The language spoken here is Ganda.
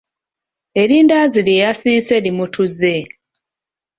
Erindaazi lye yasiise limutuze.